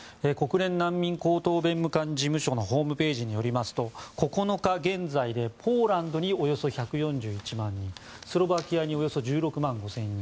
国連難民高等弁務官事務所のホームページによりますと９日現在でポーランドにおよそ１４１万人スロバキアにおよそ１６万５０００人